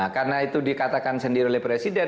karena itu dikatakan sendiri oleh presiden